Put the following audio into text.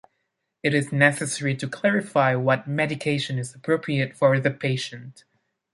It is necessary to clarify what medication is appropriate for the patient.